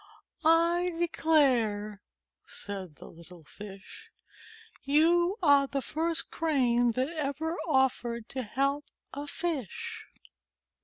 "I declare," said the little Fish, "you are the first Crane that ever offered to help a Fish."